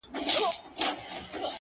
د کندهار ختيځ اڅکزۍ توبې ته ولاړ